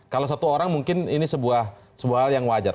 kalau satu orang mungkin ini sebuah hal yang wajar